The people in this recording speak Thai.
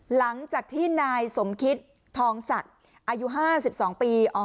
หลังจากที่นายสมคิตทองศักดิ์อายุ๕๒ปี